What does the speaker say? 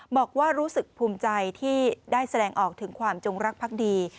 บอกว่ารู้สึกภูมิใจที่ได้แสดงออกถึงความจงรักพักดี